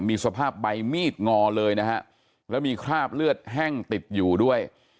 มีสภาพใบมีดงอเลยนะฮะแล้วมีคราบเลือดแห้งติดอยู่ด้วย